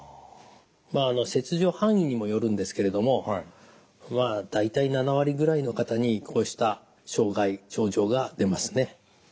まあ切除範囲にもよるんですけれども大体７割ぐらいの方にこうした障害症状が出ますね。